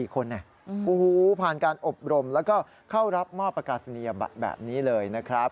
ผ่านการอบรมแล้วก็เข้ารับมอบประกาศนียบัตรแบบนี้เลยนะครับ